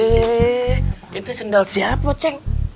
itu sendal siapa ceng